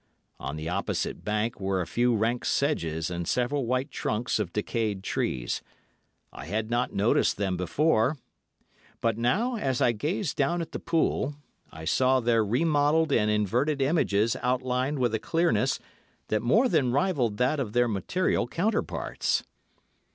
On the opposite bank were a few rank sedges and several white trunks of decayed trees. I had not noticed them before, but now, as I gazed down at the pool, I saw their re modelled and inverted images outlined with a clearness that more than rivalled that of their material counterparts.